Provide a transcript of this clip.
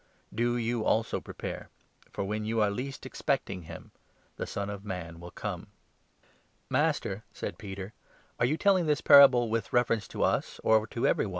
Do you also prepare, 40 for when you are least expecting him the Son of Man will come." Parable of the "Master," said Peter, "are you telling this 41 eood and bad parable with reference to us or to every one